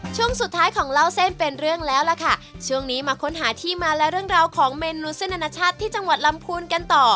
ช่วงสุดท้ายของเล่าเส้นเป็นเรื่องแล้วล่ะค่ะช่วงนี้มาค้นหาที่มาและเรื่องราวของเมนูเส้นอนาชาติที่จังหวัดลำพูนกันต่อ